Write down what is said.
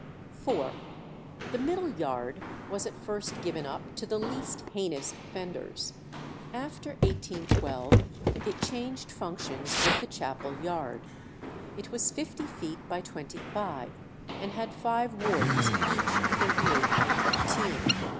iv. The middle yard was at first given up to the least heinous offenders. After 1812 it changed functions with the chapel yard. It was fifty feet by twenty five, and had five wards each thirty eight by fifteen.